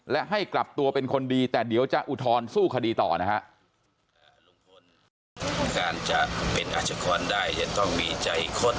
และให้กลับตัวเป็นคนดีแต่เดี๋ยวจะอุทธรณ์สู้คดีต่อนะฮะ